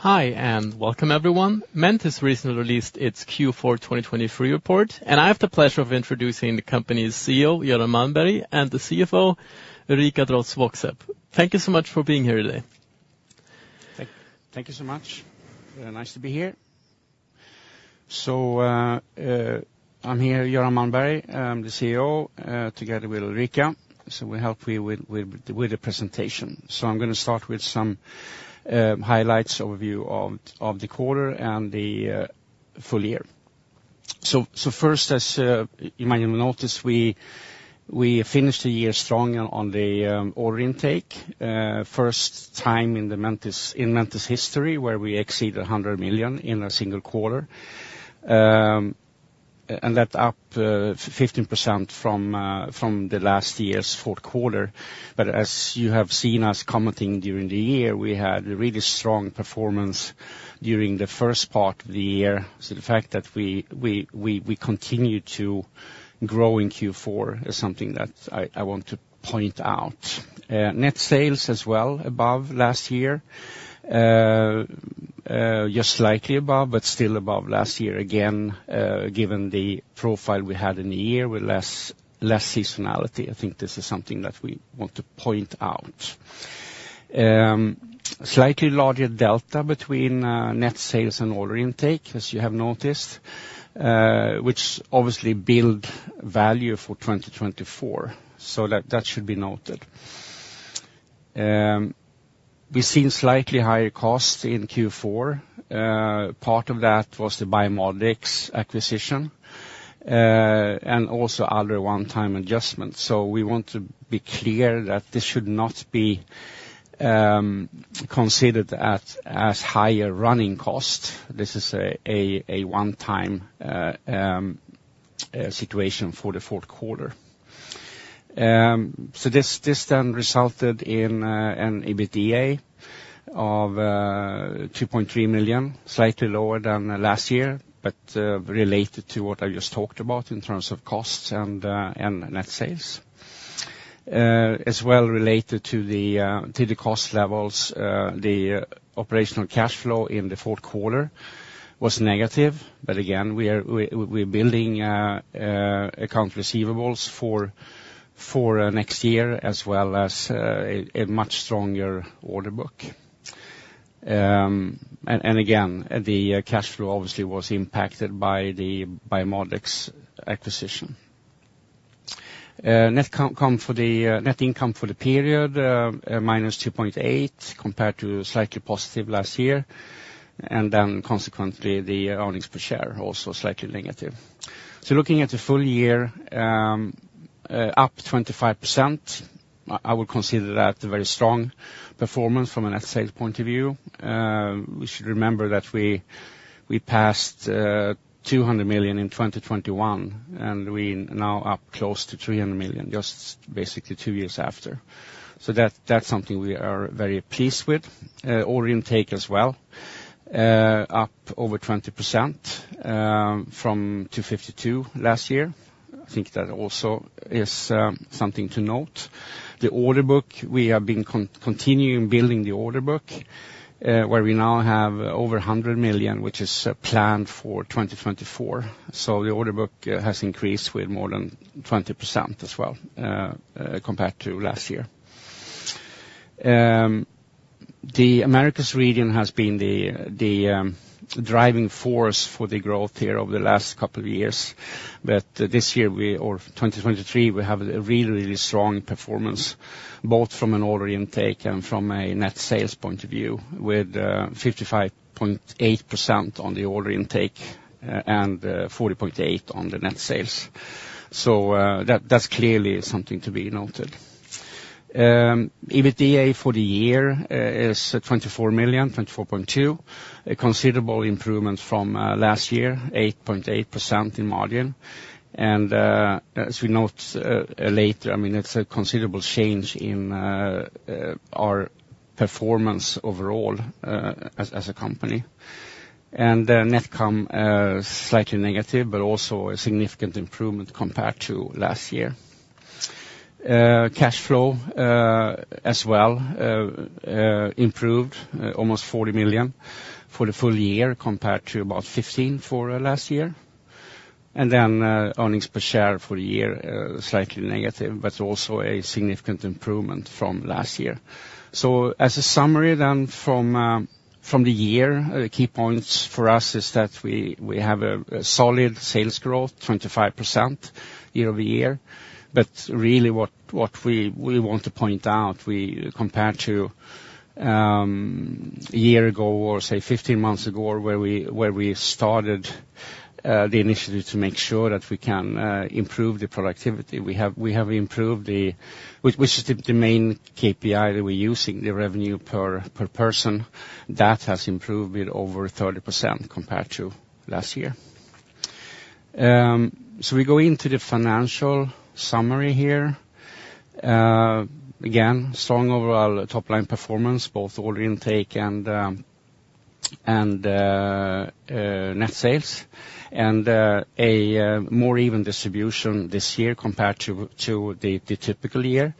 Hi, and welcome everyone. Mentice recently released its Q4 2023 report, and I have the pleasure of introducing the company's CEO, Göran Malmberg, and the CFO, Ulrika Drotz. Thank you so much for being here today. Thank you so much. Very nice to be here. So, I'm here, Göran Malmberg, I'm the CEO, together with Ulrika. So we'll help you with the presentation. So I'm going to start with some highlights, overview of the quarter and the full year. First, as you might have noticed, we finished the year strong on the order intake. First time in the Mentice history, where we exceeded 100 million in a single quarter. And that's up 15% from the last year's fourth quarter. But as you have seen us commenting during the year, we had a really strong performance during the first part of the year. So the fact that we continue to grow in Q4 is something that I want to point out. Net sales as well above last year, just slightly above, but still above last year. Again, given the profile we had in the year with less seasonality, I think this is something that we want to point out. Slightly larger delta between net sales and order intake, as you have noticed, which obviously build value for 2024. So that should be noted. We've seen slightly higher costs in Q4. Part of that was the Biomodex acquisition, and also other one-time adjustments. So we want to be clear that this should not be considered as higher running costs. This is a one-time situation for the fourth quarter. So this then resulted in an EBITDA of 2.3 million, slightly lower than last year, but related to what I just talked about in terms of costs and net sales. As well related to the cost levels, the operational cash flow in the fourth quarter was negative, but again, we're building accounts receivable for next year, as well as a much stronger order book. And again, the cash flow obviously was impacted by the Biomodex acquisition. Net income for the period minus 2.8 million, compared to slightly positive last year, and then consequently, the earnings per share also slightly negative. So looking at the full year, up 25%, I would consider that a very strong performance from a net sales point of view. We should remember that we passed 200 million in 2021, and we now up close to 300 million, just basically two years after. So that, that's something we are very pleased with. Order intake as well, up over 20%, from 252 million last year. I think that also is something to note. The order book, we have been continuing building the order book, where we now have over 100 million, which is planned for 2024. So the order book has increased with more than 20% as well, compared to last year. The Americas region has been the driving force for the growth here over the last couple of years. But this year, or 2023, we have a really, really strong performance, both from an order intake and from a net sales point of view, with 55.8% on the order intake and 40.8% on the net sales. So, that, that's clearly something to be noted. EBITDA for the year is 24.2 million, a considerable improvement from last year, 8.8% in margin. And, as we note later, I mean, it's a considerable change in our performance overall, as a company. And, net income slightly negative, but also a significant improvement compared to last year. Cash flow, as well, improved almost 40 million for the full year compared to about 15 million for last year. And then, earnings per share for the year, slightly negative, but also a significant improvement from last year. So as a summary then from the year, the key points for us is that we have a solid sales growth, 25% year-over-year. But really what we want to point out, we compared to a year ago, or say 15 months ago, where we started the initiative to make sure that we can improve the productivity. We have improved the, which is the main KPI that we're using, the revenue per person. That has improved with over 30% compared to last year. So we go into the financial summary here. Again, strong overall top-line performance, both order intake and net sales, and a more even distribution this year compared to the typical year.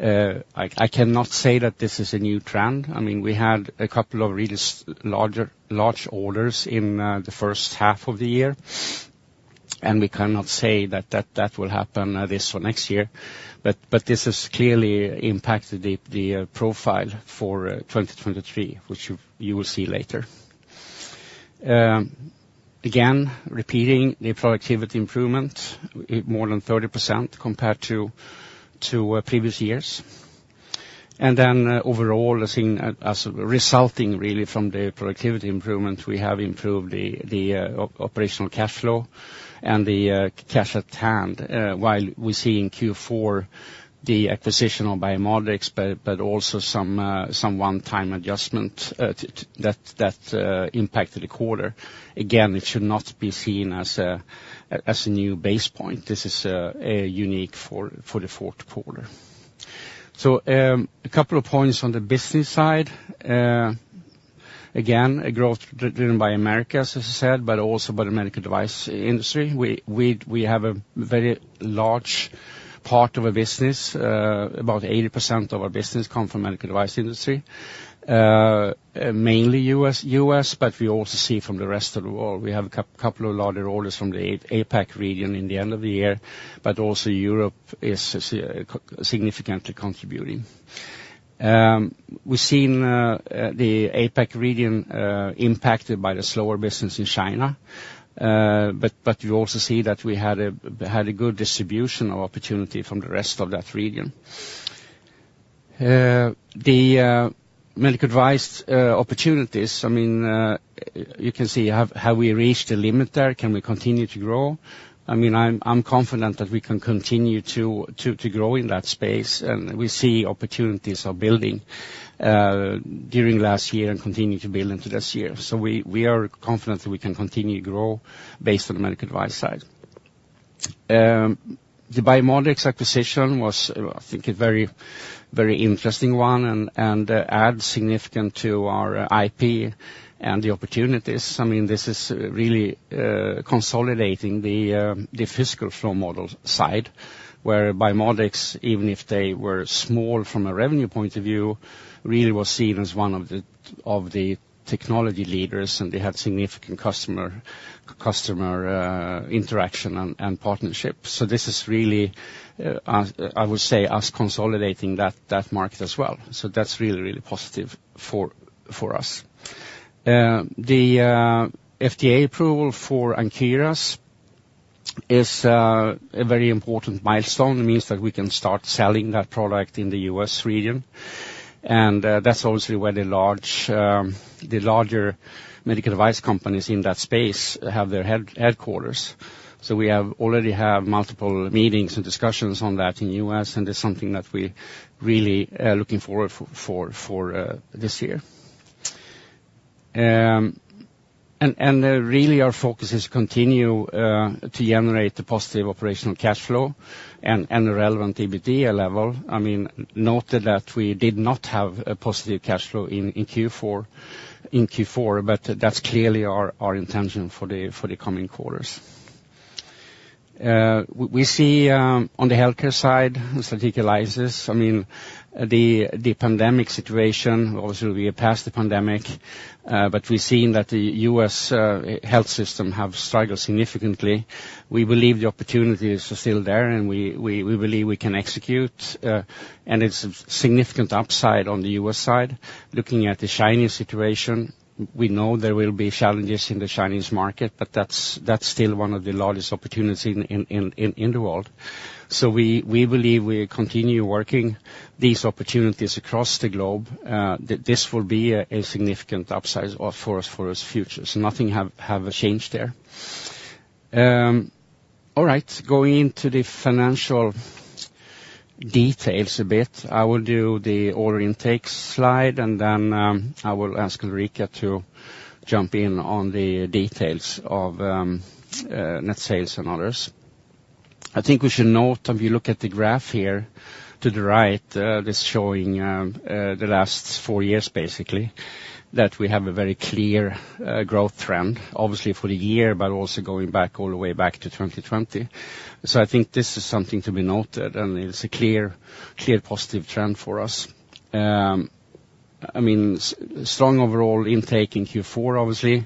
I cannot say that this is a new trend. I mean, we had a couple of really large orders in the first half of the year, and we cannot say that will happen this or next year, but this has clearly impacted the profile for 2023, which you will see later. Again, repeating the productivity improvement, it more than 30% compared to previous years. And then, overall, I think as resulting really from the productivity improvement, we have improved the operational cash flow and the cash at hand, while we see in Q4 the acquisition of Biomodex, but also some one-time adjustment to that impacted the quarter. Again, it should not be seen as a new base point. This is a unique for the fourth quarter. So, a couple of points on the business side. Again, a growth driven by Americas, as I said, but also by the medical device industry. We have a very large part of our business, about 80% of our business come from medical device industry, mainly U.S., but we also see from the rest of the world, we have a couple of larger orders from the APAC region in the end of the year, but also Europe is significantly contributing. We've seen the APAC region impacted by the slower business in China, but you also see that we had a good distribution of opportunity from the rest of that region. The medical device opportunities, I mean, you can see, have we reached a limit there? Can we continue to grow? I mean, I'm confident that we can continue to grow in that space, and we see opportunities are building during last year and continue to build into this year. So we are confident that we can continue to grow based on the medical device side. The Biomodex acquisition was, I think, a very interesting one and adds significant to our IP and the opportunities. I mean, this is really consolidating the physical flow model side, where Biomodex, even if they were small from a revenue point of view, really was seen as one of the technology leaders, and they had significant customer interaction and partnerships. So this is really, I would say, us consolidating that market as well. So that's really positive for us. The FDA approval for Ankyras is a very important milestone, means that we can start selling that product in the U.S. region, and that's obviously where the larger medical device companies in that space have their headquarters. So we already have multiple meetings and discussions on that in U.S., and it's something that we're really looking forward for this year. And really, our focus is continue to generate a positive operational cash flow and a relevant EBITDA level. I mean, noted that we did not have a positive cash flow in Q4, but that's clearly our intention for the coming quarters. We see on the healthcare side, Strategic Alliances, I mean, the pandemic situation, also we are past the pandemic, but we've seen that the U.S. health system have struggled significantly. We believe the opportunities are still there, and we believe we can execute, and it's a significant upside on the U.S. side. Looking at the Chinese situation, we know there will be challenges in the Chinese market, but that's still one of the largest opportunities in the world. So we believe we continue working these opportunities across the globe, that this will be a significant upside for us future. So nothing have changed there. All right, going into the financial details a bit. I will do the order intakes slide, and then, I will ask Ulrika to jump in on the details of, net sales and others. I think we should note, if you look at the graph here to the right, that's showing, the last four years, basically, that we have a very clear, growth trend, obviously for the year, but also going back all the way back to 2020. So I think this is something to be noted, and it's a clear, clear, positive trend for us. I mean, strong overall intake in Q4, obviously,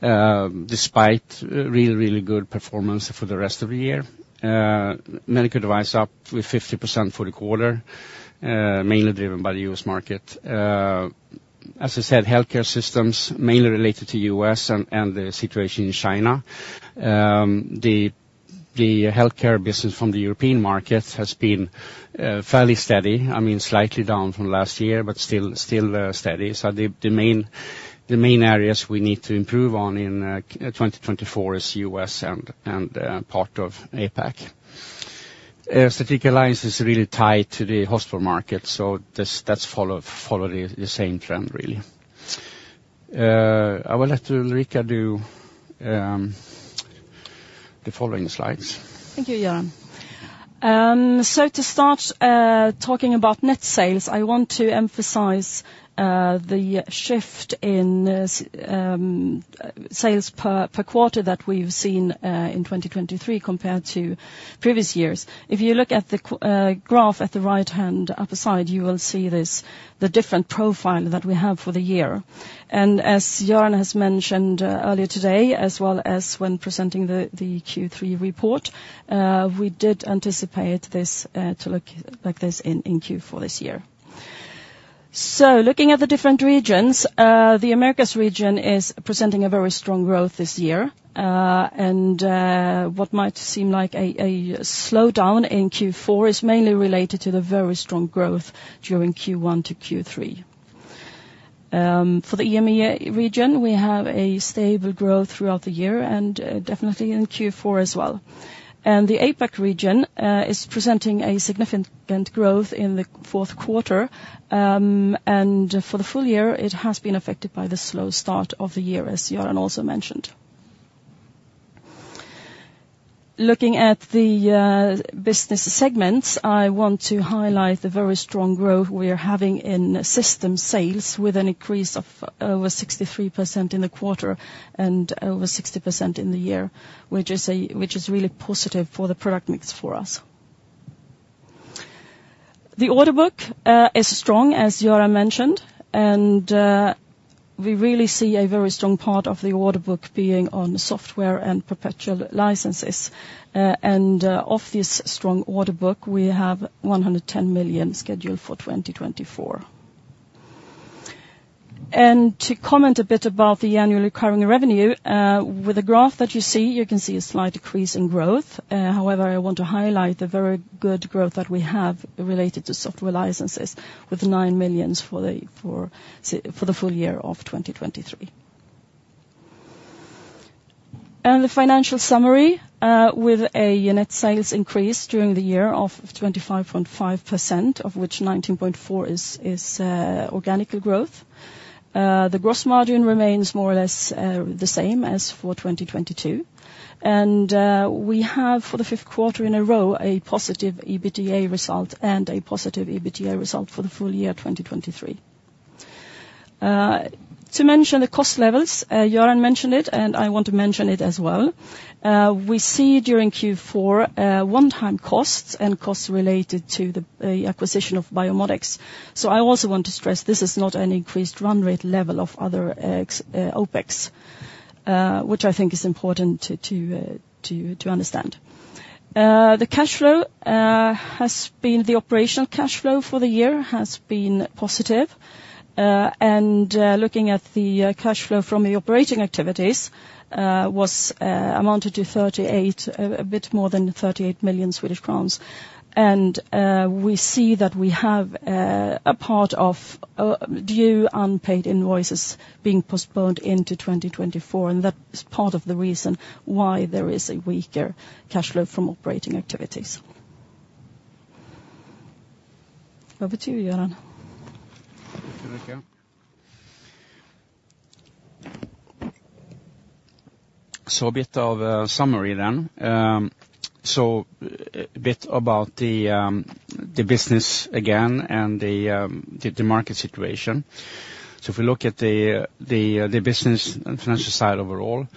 despite really, really good performance for the rest of the year. Medical device up with 50% for the quarter, mainly driven by the US market. As I said, healthcare systems, mainly related to US and, and the situation in China. The healthcare business from the European market has been fairly steady. I mean, slightly down from last year, but still steady. So the main areas we need to improve on in 2024 is US and part of APAC. Strategic Alliances is really tied to the hospital market, so that's follow the same trend, really. I will let Ulrika do the following slides. Thank you, Göran. So to start, talking about net sales, I want to emphasize the shift in sales per quarter that we've seen in 2023 compared to previous years. If you look at the graph at the right-hand upper side, you will see this, the different profile that we have for the year. And as Göran has mentioned earlier today, as well as when presenting the Q3 report, we did anticipate this to look like this in Q4 this year. So looking at the different regions, the Americas region is presenting a very strong growth this year. And what might seem like a slowdown in Q4 is mainly related to the very strong growth during Q1 to Q3. For the EMEA region, we have a stable growth throughout the year and definitely in Q4 as well. And the APAC region is presenting a significant growth in the fourth quarter. And for the full year, it has been affected by the slow start of the year, as Göran also mentioned. Looking at the business segments, I want to highlight the very strong growth we are having in system sales, with an increase of over 63% in the quarter and over 60% in the year, which is really positive for the product mix for us. The order book is strong, as Göran mentioned, and we really see a very strong part of the order book being on software and perpetual licenses. Of this strong order book, we have 110 million scheduled for 2024. And to comment a bit about the annual recurring revenue, with the graph that you see, you can see a slight decrease in growth. However, I want to highlight the very good growth that we have related to software licenses, with 9 million for the full year of 2023. And the financial summary, with a net sales increase during the year of 25.5%, of which 19.4% is organic growth. The gross margin remains more or less the same as for 2022. And we have, for the fifth quarter in a row, a positive EBITDA result and a positive EBITDA result for the full year of 2023. To mention the cost levels, Göran mentioned it, and I want to mention it as well. We see during Q4, one-time costs and costs related to the acquisition of Biomodex. So I also want to stress this is not an increased run rate level of other OpEx, which I think is important to understand. The cash flow has been. The operational cash flow for the year has been positive. And looking at the cash flow from the operating activities, amounted to 38... a bit more than 38 million Swedish crowns. And we see that we have a part of due unpaid invoices being postponed into 2024, and that is part of the reason why there is a weaker cash flow from operating activities. Over to you, Göran. Thank you, Ulrika. So a bit of a summary then. So a bit about the business again and the market situation. So if we look at the business and financial side overall,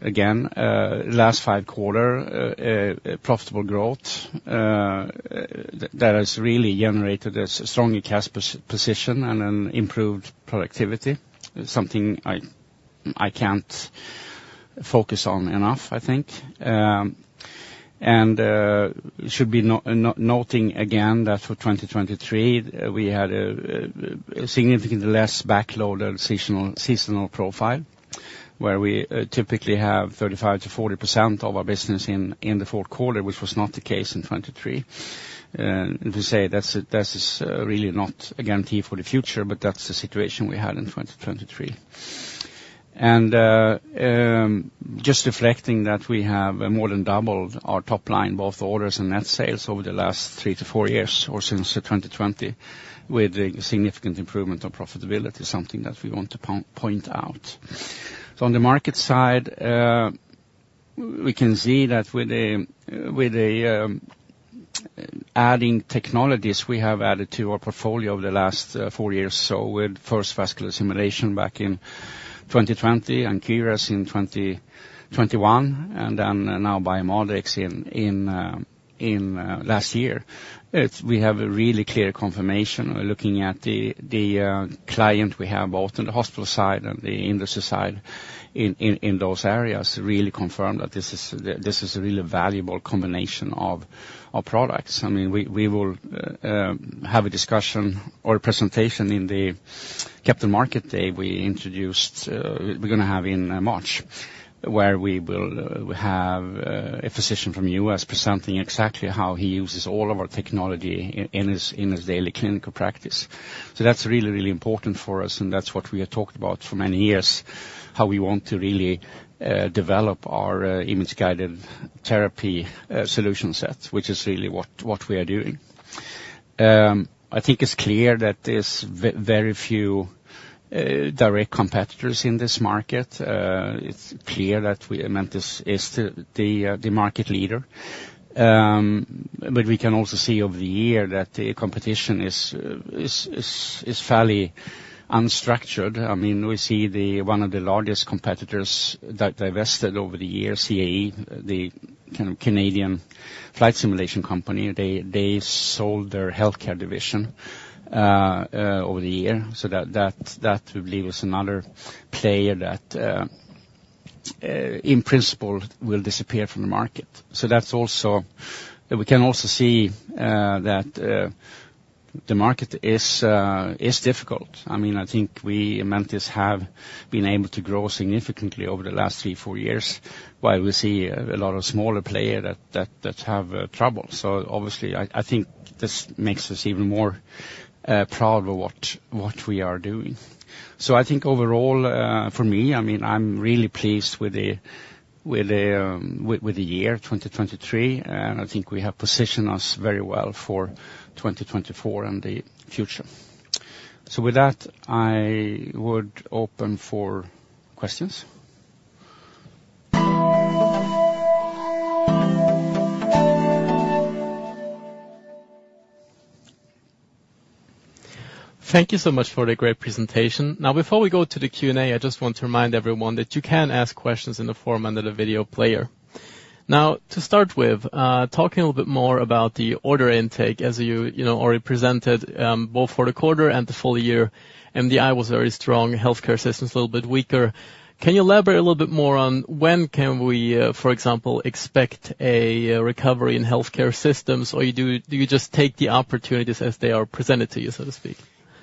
again, last five quarters profitable growth that has really generated a stronger cash position and an improved productivity. Something I can't focus on enough, I think. And should be noting again, that for 2023, we had a significantly less backloaded seasonal profile, where we typically have 35%-40% of our business in the fourth quarter, which was not the case in 2023. And to say, that's, that is, really not a guarantee for the future, but that's the situation we had in 2023. Just reflecting that we have more than doubled our top line, both orders and net sales, over the last three to four years, or since 2020, with a significant improvement on profitability, is something that we want to point out. So on the market side, we can see that adding technologies we have added to our portfolio over the last four years or so, with first Vascular Simulations back in 2020, and Ankyras in 2021, and then Biomodex in last year. It's we have a really clear confirmation. We're looking at the clients we have, both in the hospital side and the industry side, in those areas, really confirm that this is a really valuable combination of products. I mean, we will have a discussion or a presentation in the Capital Markets Day we introduced, we're going to have in March, where we will have a physician from the U.S. presenting exactly how he uses all of our technology in his daily clinical practice. So that's really, really important for us, and that's what we have talked about for many years, how we want to really develop our image-guided therapy solution set, which is really what we are doing. I think it's clear that there's very few direct competitors in this market. It's clear that we, Mentice, is the market leader. But we can also see over the year that the competition is fairly unstructured. I mean, we see the one of the largest competitors that divested over the years, CAE, the kind of Canadian flight simulation company, they sold their healthcare division over the year. So that we believe is another player that in principle will disappear from the market. So that's also... We can also see that the market is difficult. I mean, I think we, Mentice, have been able to grow significantly over the last 3, 4 years, while we see a lot of smaller player that have trouble. So obviously, I think this makes us even more proud of what we are doing. So I think overall, for me, I mean, I'm really pleased with the year 2023, and I think we have positioned us very well for 2024 and the future. So with that, I would open for questions. Thank you so much for the great presentation. Now, before we go to the Q&A, I just want to remind everyone that you can ask questions in the forum under the video player. Now, to start with, talking a little bit more about the order intake, as you, you know, already presented, both for the quarter and the full year, MDI was very strong, healthcare systems a little bit weaker. Can you elaborate a little bit more on when can we, for example, expect a, recovery in healthcare systems, or do you just take the opportunities as they are presented to you, so to speak?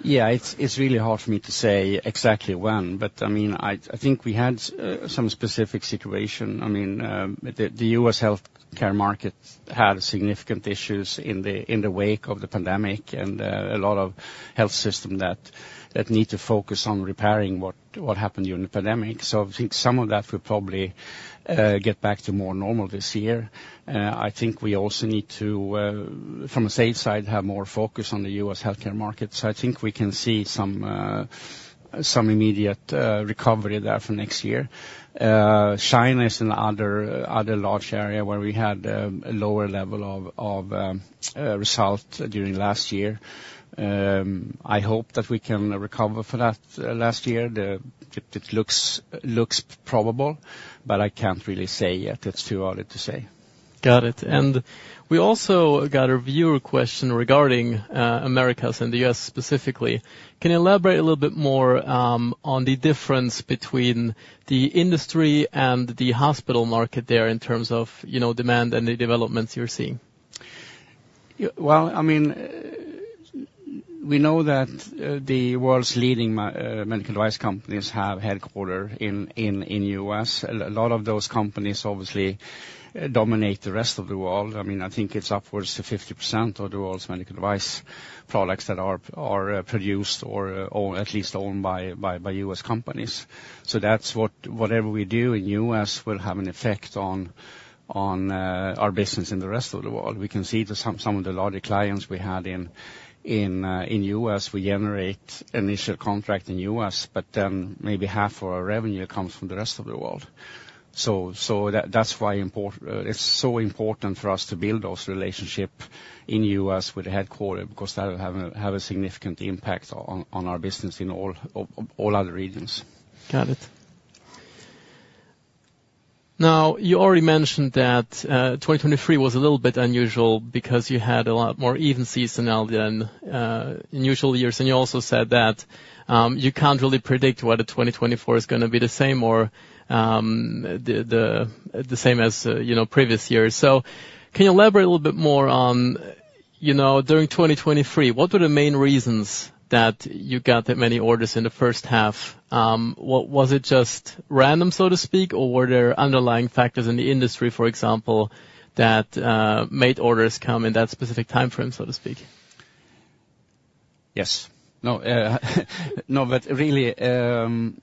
Yeah, it's really hard for me to say exactly when, but I mean, I think we had some specific situation. I mean, the U.S. healthcare market had significant issues in the wake of the pandemic, and a lot of health system that need to focus on repairing what happened during the pandemic. So I think some of that will probably get back to more normal this year. I think we also need to from a sales side have more focus on the U.S. healthcare market. So I think we can see some immediate recovery there for next year. China is another large area where we had a lower level of result during last year. I hope that we can recover for that last year. It looks probable, but I can't really say yet. It's too early to say. Got it. We also got a viewer question regarding Americas and the US specifically. Can you elaborate a little bit more on the difference between the industry and the hospital market there in terms of, you know, demand and the developments you're seeing? Well, I mean, we know that the world's leading medical device companies have headquarters in the U.S. A lot of those companies obviously dominate the rest of the world. I mean, I think it's upwards to 50% of the world's medical device products that are produced or at least owned by U.S. companies. So that's what—whatever we do in the U.S. will have an effect on our business in the rest of the world. We can see that some of the larger clients we had in the U.S., we generate initial contract in the U.S., but then maybe half of our revenue comes from the rest of the world. So that's why import... It's so important for us to build those relationships in U.S. with the headquarters, because that will have a significant impact on our business in all of all other regions. Got it. Now, you already mentioned that 2023 was a little bit unusual because you had a lot more even seasonality than initial years. And you also said that you can't really predict whether 2024 is gonna be the same or the same as you know previous years. So can you elaborate a little bit more on you know during 2023 what were the main reasons that you got that many orders in the first half? Was it just random so to speak or were there underlying factors in the industry for example that made orders come in that specific timeframe so to speak? Yes. No, no, but really, the...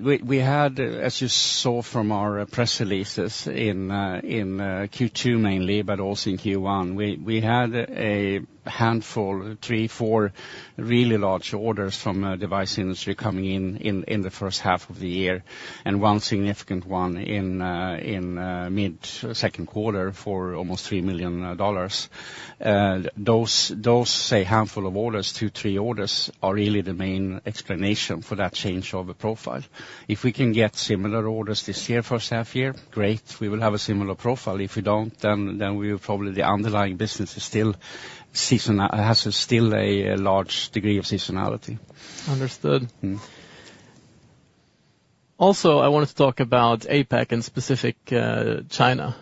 We had, as you saw from our press releases in Q2 mainly, but also in Q1, we had a handful, 3, 4 really large orders from device industry coming in in the first half of the year, and one significant one in mid-second quarter for almost $3 million dollars. Those, those, say, handful of orders, 2, 3 orders, are really the main explanation for that change of a profile. If we can get similar orders this year, first half year, great, we will have a similar profile. If we don't, then, then we will probably the underlying business is still seasonal- has still a large degree of seasonality. Understood. Also, I wanted to talk about APAC and specific, China.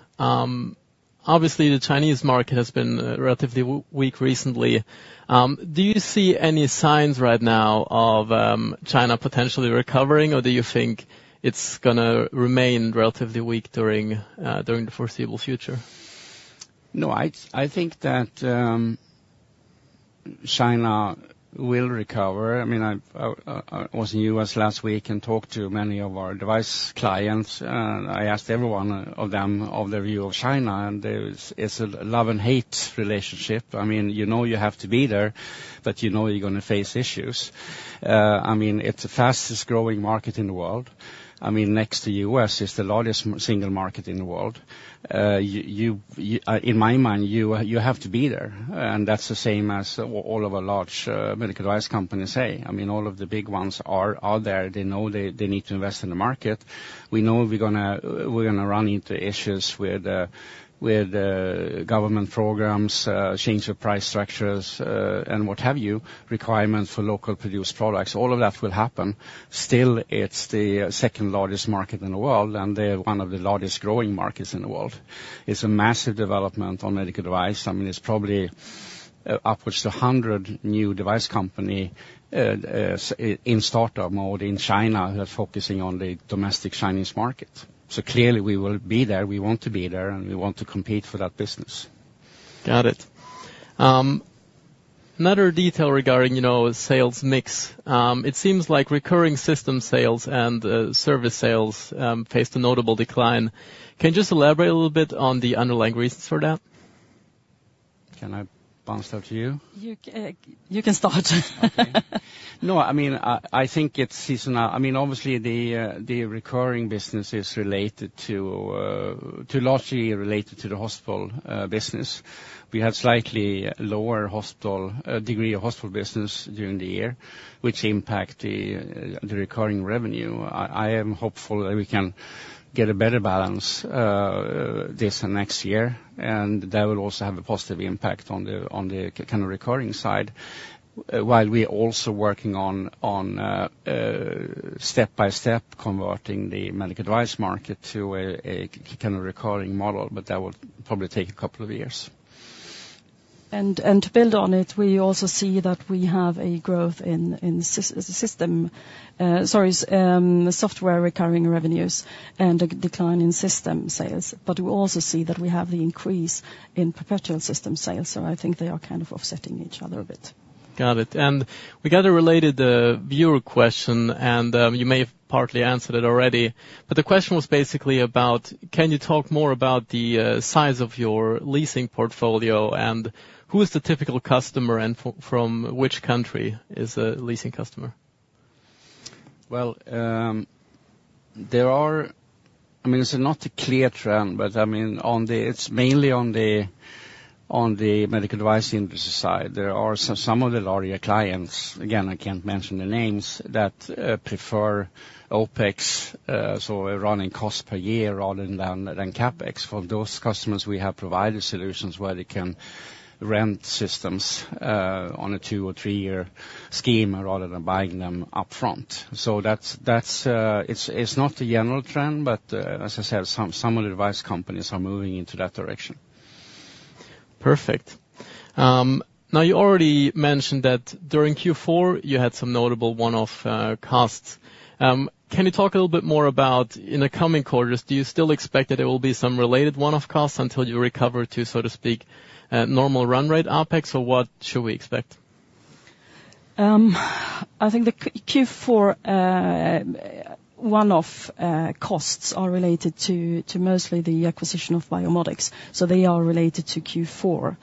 Obviously, the Chinese market has been relatively weak recently. Do you see any signs right now of, China potentially recovering, or do you think it's gonna remain relatively weak during, during the foreseeable future? No, I think that China will recover. I mean, I was in U.S. last week and talked to many of our device clients, and I asked every one of them of their view of China, and there's, it's a love and hate relationship. I mean, you know you have to be there, but you know you're gonna face issues. I mean, it's the fastest-growing market in the world. I mean, next to U.S., it's the largest single market in the world. In my mind, you have to be there, and that's the same as all of our large medical device companies say. I mean, all of the big ones are there. They know they need to invest in the market. We know we're gonna, we're gonna run into issues with the, with the government programs, change of price structures, and what have you, requirements for local produced products. All of that will happen. Still, it's the second-largest market in the world, and they're one of the largest growing markets in the world. It's a massive development on medical device. I mean, it's probably upwards of 100 new device company, in startup mode in China who are focusing on the domestic Chinese market. So clearly, we will be there, we want to be there, and we want to compete for that business. Got it. Another detail regarding, you know, sales mix. It seems like recurring system sales and service sales faced a notable decline. Can you just elaborate a little bit on the underlying reasons for that? Can I bounce that to you? You, you can start. Okay. No, I mean, I think it's seasonal. I mean, obviously, the recurring business is related to largely related to the hospital business. We had slightly lower hospital degree of hospital business during the year, which impact the recurring revenue. I am hopeful that we can get a better balance this and next year, and that will also have a positive impact on the kind of recurring side. While we're also working on step-by-step converting the medical device market to a kind of recurring model, but that will probably take a couple of years. To build on it, we also see that we have a growth in software recurring revenues and a decline in system sales, but we also see that we have the increase in perpetual system sales, so I think they are kind of offsetting each other a bit. Got it. And we got a related viewer question, and you may have partly answered it already, but the question was basically about: can you talk more about the size of your leasing portfolio, and who is the typical customer, and from which country is a leasing customer? Well, I mean, it's not a clear trend, but, I mean, it's mainly on the medical device industry side. There are some of the larger clients, again, I can't mention the names, that prefer OpEx, so a running cost per year, rather than CapEx. For those customers, we have provided solutions where they can rent systems on a 2 or 3-year scheme rather than buying them upfront. So that's it, it's not the general trend, but, as I said, some of the device companies are moving into that direction. Perfect. Now, you already mentioned that during Q4, you had some notable one-off costs. Can you talk a little bit more about in the coming quarters, do you still expect that there will be some related one-off costs until you recover to, so to speak, normal run rate, OpEx, or what should we expect? I think the Q4 one-off costs are related mostly to the acquisition of Biomodex, so they are related to Q4.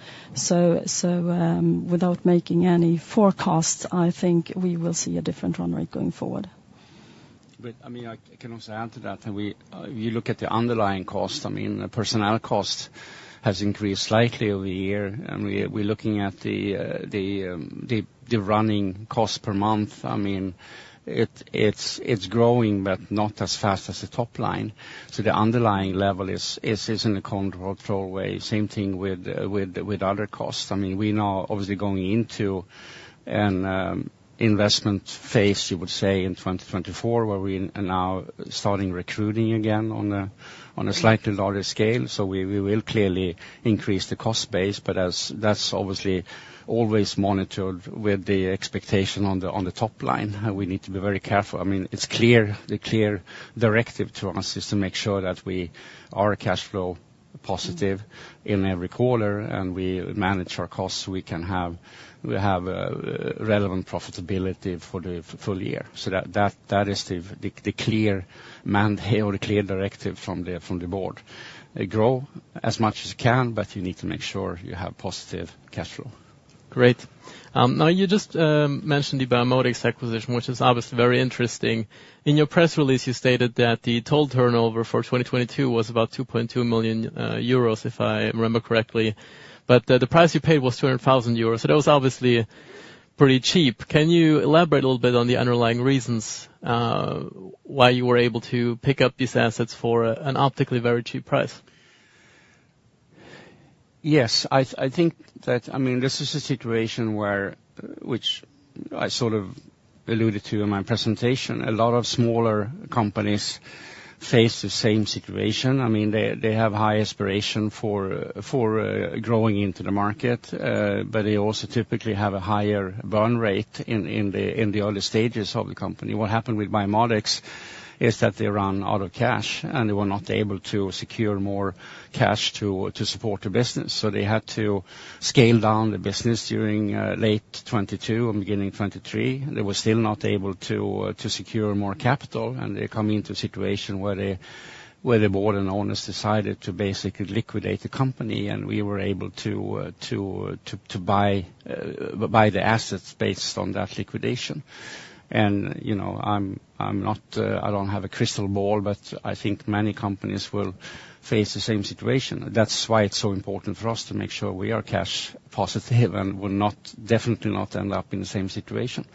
Without making any forecasts, I think we will see a different run rate going forward. But, I mean, I can also add to that. When you look at the underlying cost, I mean, the personnel cost has increased slightly over the year, and we're looking at the running costs per month. I mean, it's growing, but not as fast as the top line, so the underlying level is in control way. Same thing with other costs. I mean, we now, obviously, going into an investment phase, you would say, in 2024, where we are now starting recruiting again on a slightly larger scale, so we will clearly increase the cost base, but as that's obviously always monitored with the expectation on the top line, and we need to be very careful. I mean, it's clear, the clear directive to us is to make sure that we are cash flow positive in every quarter, and we manage our costs; we have relevant profitability for the full year. So that is the clear mandate or clear directive from the board. Grow as much as you can, but you need to make sure you have positive cash flow. Great. Now, you just mentioned the Biomodex acquisition, which is obviously very interesting. In your press release, you stated that the total turnover for 2022 was about 2.2 million euros, if I remember correctly, but the price you paid was 200,000 euros, so that was obviously pretty cheap. Can you elaborate a little bit on the underlying reasons why you were able to pick up these assets for an optically very cheap price? Yes. I think that, I mean, this is a situation where, which I sort of alluded to in my presentation, a lot of smaller companies face the same situation. I mean, they have high aspiration for growing into the market, but they also typically have a higher burn rate in the early stages of the company. What happened with Biomodex is that they ran out of cash, and they were not able to secure more cash to support the business. So they had to scale down the business during late 2022 and beginning 2023. They were still not able to secure more capital, and they come into a situation where the board and owners decided to basically liquidate the company, and we were able to buy the assets based on that liquidation. And, you know, I'm not, I don't have a crystal ball, but I think many companies will face the same situation. That's why it's so important for us to make sure we are cash positive and will not, definitely not end up in the same situation.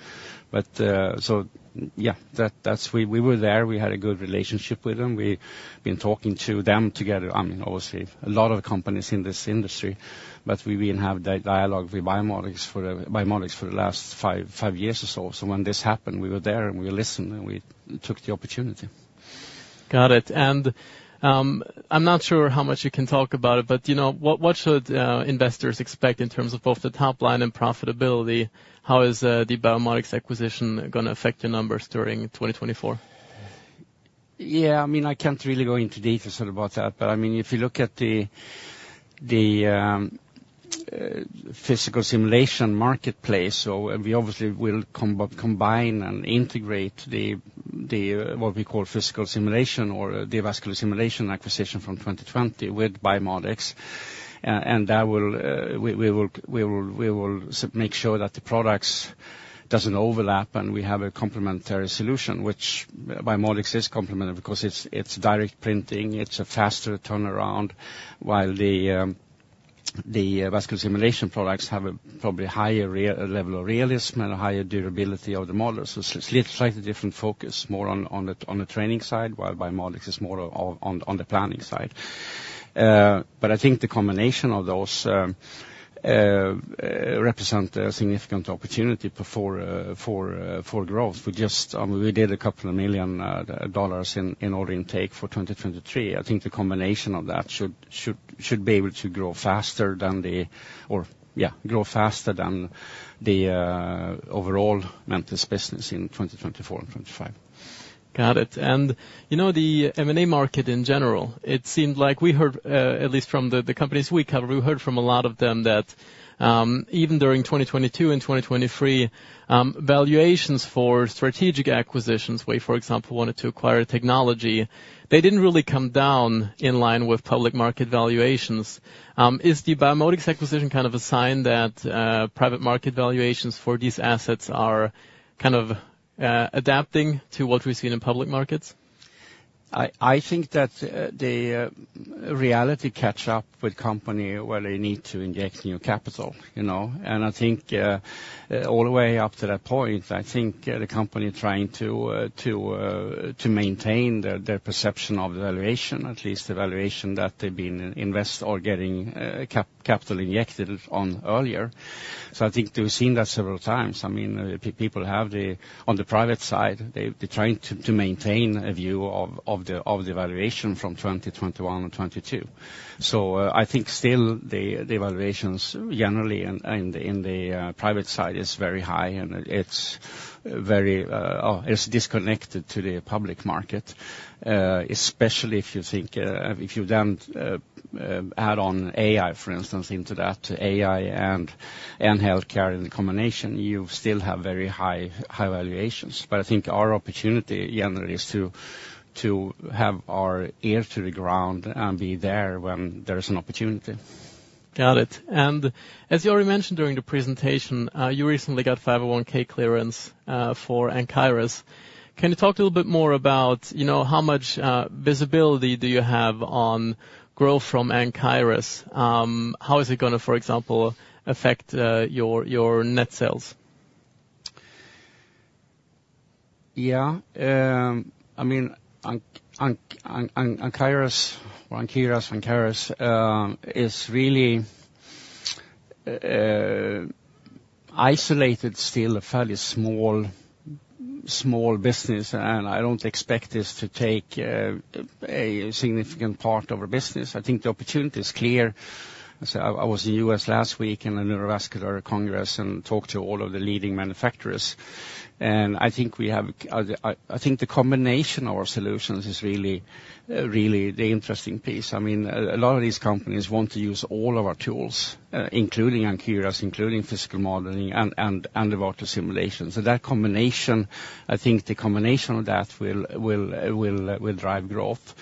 But, so yeah, that's... We were there. We had a good relationship with them. We've been talking to them together, I mean, obviously, a lot of companies in this industry. But we've been having that dialogue with Biomodex for the last five years or so. When this happened, we were there, and we listened, and we took the opportunity. Got it. And, I'm not sure how much you can talk about it, but, you know, what should investors expect in terms of both the top line and profitability? How is the Biomodex acquisition gonna affect your numbers during 2024? Yeah, I mean, I can't really go into details about that. But, I mean, if you look at the physical simulation marketplace, so we obviously will combine and integrate what we call physical simulation or the Vascular Simulations acquisition from 2020 with Biomodex. And that will, we will make sure that the products doesn't overlap, and we have a complementary solution, which Biomodex is complementary because it's direct printing, it's a faster turnaround, while the vascular simulation products have a probably higher level of realism and a higher durability of the model. So slightly different focus, more on the training side, while Biomodex is more on the planning side. But I think the combination of those represent a significant opportunity for growth. We just did $2 million in order intake for 2023. I think the combination of that should be able to grow faster than the overall Mentice business in 2024 and 2025. Got it. And, you know, the M&A market in general, it seemed like we heard, at least from the companies we cover, we heard from a lot of them that, even during 2022 and 2023, valuations for strategic acquisitions, where, for example, wanted to acquire technology, they didn't really come down in line with public market valuations. Is the Biomodex acquisition kind of a sign that, private market valuations for these assets are kind of, adapting to what we've seen in public markets? I think that the reality catch up with company where they need to inject new capital, you know? And I think all the way up to that point, I think the company trying to maintain their perception of the valuation, at least the valuation that they've been invest or getting capital injected on earlier. So I think we've seen that several times. I mean, people have the... On the private side, they're trying to maintain a view of the valuation from 2021 and 2022. So, I think still the valuations generally in the private side is very high, and it's very disconnected to the public market, especially if you think, if you then add on AI, for instance, into that, AI and healthcare in the combination, you still have very high valuations. But I think our opportunity, generally, is to have our ear to the ground and be there when there is an opportunity. Got it. And as you already mentioned during the presentation, you recently got 510(k) clearance for Ankyras. Can you talk a little bit more about, you know, how much visibility do you have on growth from Ankyras? How is it gonna, for example, affect your net sales? Yeah, I mean, Ankyras or Ankyras, Ankyras, is really isolated still, a fairly small business, and I don't expect this to take a significant part of our business. I think the opportunity is clear. So I was in the U.S. last week in a neurovascular congress and talked to all of the leading manufacturers, and I think we have, I think the combination of our solutions is really the interesting piece. I mean, a lot of these companies want to use all of our tools, including Ankyras, including physical modeling and the vascular simulation. So that combination, I think the combination of that will drive growth,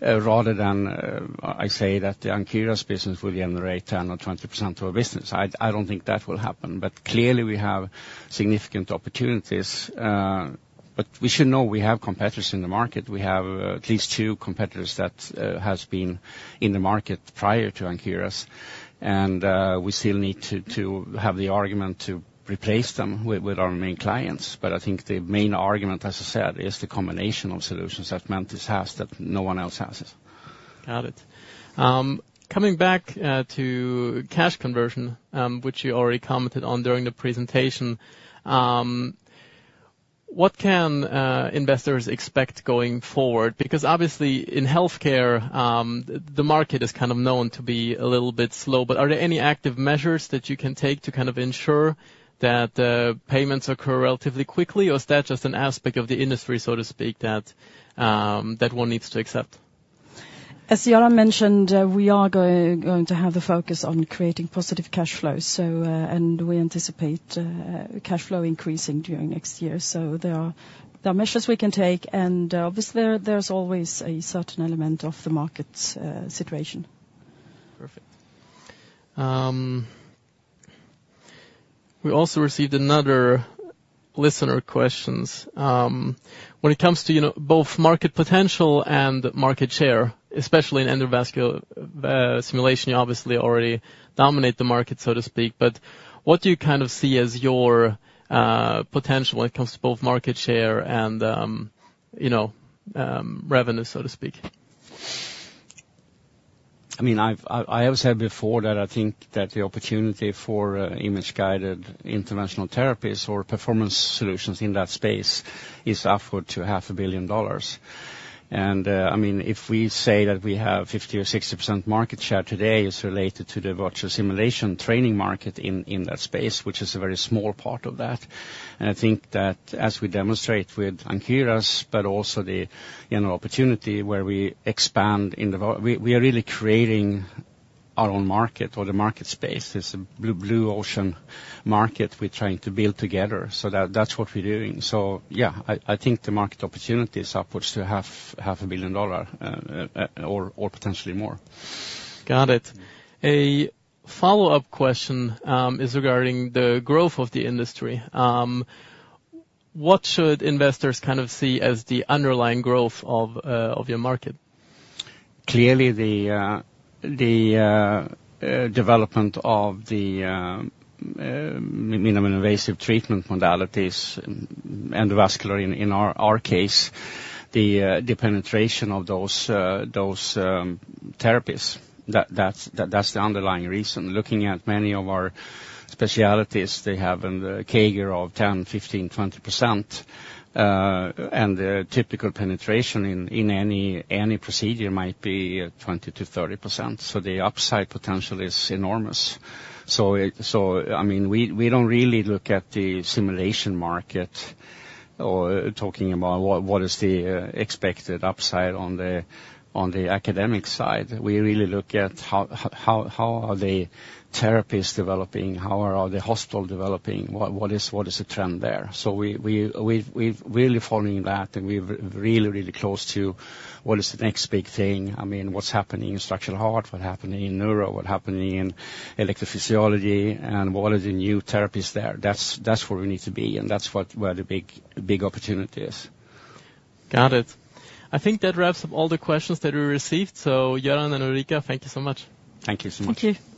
rather than I say that the Ankyras business will generate 10% or 20% of our business. I don't think that will happen, but clearly, we have significant opportunities, but we should know we have competitors in the market. We have at least two competitors that has been in the market prior to Ankyras, and we still need to have the argument to replace them with our main clients. But I think the main argument, as I said, is the combination of solutions that Mentice has, that no one else has. Got it. Coming back to cash conversion, which you already commented on during the presentation. What can investors expect going forward? Because obviously, in healthcare, the market is kind of known to be a little bit slow, but are there any active measures that you can take to kind of ensure that payments occur relatively quickly, or is that just an aspect of the industry, so to speak, that that one needs to accept? As Göran mentioned, we are going to have a focus on creating positive cash flow. So, and we anticipate cash flow increasing during next year. So there are measures we can take, and obviously, there's always a certain element of the market's situation. Perfect. We also received another listener questions. When it comes to, you know, both market potential and market share, especially in endovascular simulation, you obviously already dominate the market, so to speak. But what do you kind of see as your potential when it comes to both market share and, you know, revenue, so to speak? I mean, I have said before that I think that the opportunity for image-guided interventional therapies or performance solutions in that space is upward to $500 million. And I mean, if we say that we have 50% or 60% market share today, is related to the virtual simulation training market in that space, which is a very small part of that. And I think that as we demonstrate with Ankyras, but also the, you know, opportunity where we expand in the vascular. We are really creating our own market or the market space. It's a blue ocean market we're trying to build together, so that's what we're doing. So, yeah, I think the market opportunity is upwards to $500 million, or potentially more. Got it. A follow-up question is regarding the growth of the industry. What should investors kind of see as the underlying growth of your market? Clearly, the development of the minimally invasive treatment modalities and endovascular in our case, the penetration of those therapies. That's the underlying reason. Looking at many of our specialties, they have in the CAGR of 10, 15, 20%, and the typical penetration in any procedure might be 20%-30%, so the upside potential is enormous. So I mean, we don't really look at the simulation market or talking about what is the expected upside on the academic side. We really look at how are the therapies developing, how are the hospital developing, what is the trend there? So we've really been following that, and we're really, really close to what is the next big thing. I mean, what's happening in structural heart, what's happening in neuro, what's happening in electrophysiology, and what are the new therapies there? That's where we need to be, and that's where the big, big opportunity is. Got it. I think that wraps up all the questions that we received. Göran and Ulrika, thank you so much. Thank you so much. Thank you.